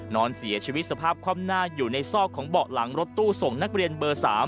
นอนเสียชีวิตสภาพคว่ำหน้าอยู่ในซอกของเบาะหลังรถตู้ส่งนักเรียนเบอร์๓